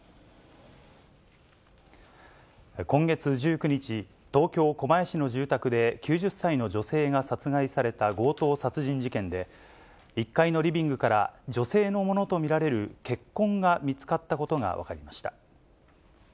今月１９日、東京・狛江市の住宅で、９０歳の女性が殺害された強盗殺人事件で、１階のリビングから女性のものと見られる血痕が見つかったことが分かりました。